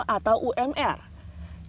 di atas jumlah yang diberikan oleh umr